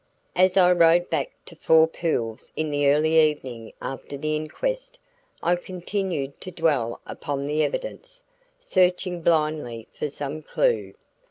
As I rode back to Four Pools in the early evening after the inquest, I continued to dwell upon the evidence, searching blindly for some clue.